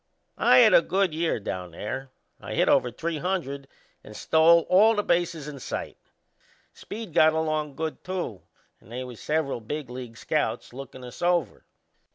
I had a good year down there. I hit over .300 and stole all the bases in sight. Speed got along good too, and they was several big league scouts lookin' us over.